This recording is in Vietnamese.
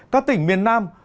các tỉnh miền nam